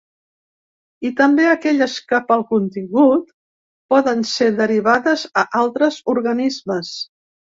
I també a aquelles que, pel contingut, poden ser derivades a altres organismes.